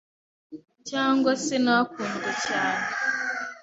cyangwa se ntakundwe cyane